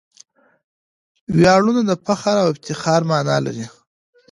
ویاړنه دفخر او افتخار مانا لري.